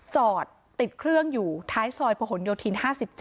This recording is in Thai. จอดติดเครื่องอยู่ท้ายซอยประหลโยธิน๕๗